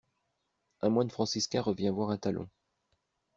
Un moine franciscain revient voir un talon!